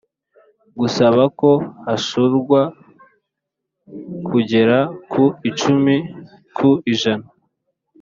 gusaba ko hashorwa kugera ku icumi ku ijana